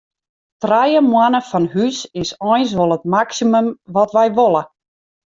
Trije moanne fan hús is eins wol it maksimum wat wy wolle.